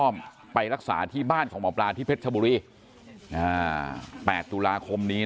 ไปรักษาที่บ้านของหมอปลาที่เพชรชบุรี๘ตุลาคมนี้